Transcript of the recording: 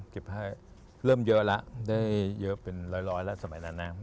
ให้เริ่มเยอะแล้วได้เยอะเป็นร้อยแล้วสมัยนั้นนะ